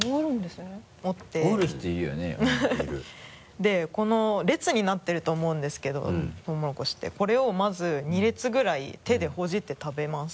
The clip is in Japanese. でこの列になってると思うんですけどとうもろこしってこれをまず２列ぐらい手でほじって食べます。